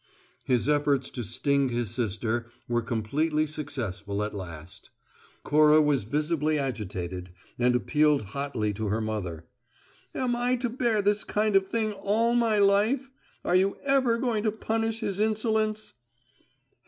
His efforts to sting his sister were completely successful at last: Cora was visibly agitated, and appealed hotly to her mother. "Am I to bear this kind of thing all my life? Aren't you ever going to punish his insolence?"